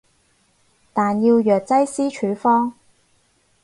但要藥劑師處方